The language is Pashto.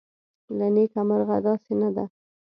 له نیکه مرغه داسې نه ده